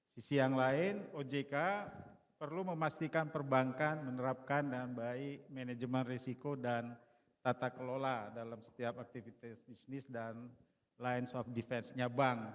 sisi yang lain ojk perlu memastikan perbankan menerapkan dengan baik manajemen risiko dan tata kelola dalam setiap aktivitas bisnis dan lines of defense nya bank